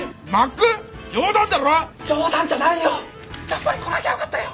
やっぱり来なきゃよかったよ。